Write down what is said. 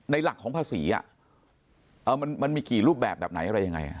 หลักของภาษีมันมีกี่รูปแบบแบบไหนอะไรยังไง